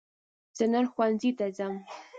زه نن ښوونځي ته ځم.